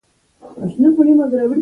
په زولنو کي به یادېږمه بیا نه راځمه